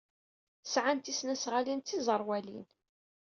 Sɛan tisnasɣalin d tiẓerwalin.